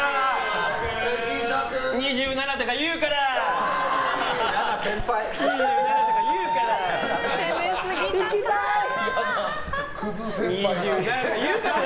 ２７とか言うから！